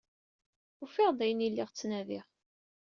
Ufiɣ-d ayen ay lliɣ ttnadiɣ.